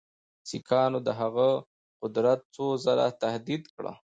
سیکهانو د هغه قدرت څو ځله تهدید کړ.